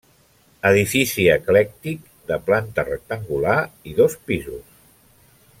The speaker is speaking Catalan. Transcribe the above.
Edifici eclèctic, de planta rectangular i dos pisos.